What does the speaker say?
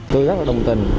tôi rất là đồng tình